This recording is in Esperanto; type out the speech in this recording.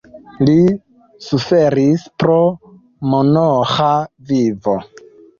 Li suferis pro monaĥa vivo.